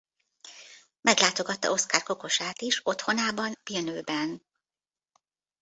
Meglátogatta Oskar Kokoshká-t is otthonában Villeneuve-ben.